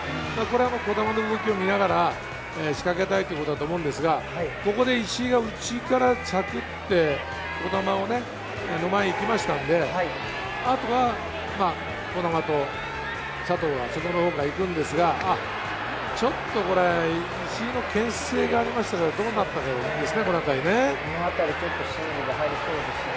児玉の動きを見ながら、仕掛けたいということだと思うんですが、ここで石井が内から探って、児玉を前に行きましたんで、あとは児玉と佐藤が外の方から行くんですが、ちょっとこれ、石井のけん制がありましたかね。